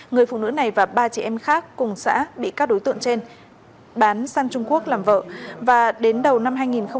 người phụ nữ này và ba chị em khác cùng xã bị các đối tượng trên bán săn trung quốc làm vợ và đến đầu năm hai nghìn hai mươi